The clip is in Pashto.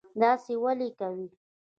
داسی ولې کوي